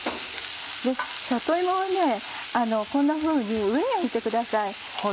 里芋はこんなふうに上に置いてください。